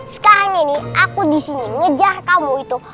sekarang ini aku di sini ngejah kamu itu